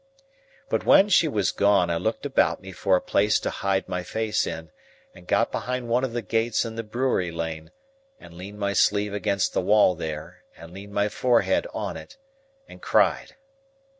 But when she was gone, I looked about me for a place to hide my face in, and got behind one of the gates in the brewery lane, and leaned my sleeve against the wall there, and leaned my forehead on it and cried.